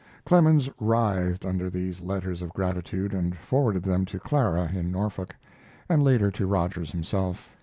Clemens writhed under these letters of gratitude, and forwarded them to Clara in Norfolk, and later to Rogers himself.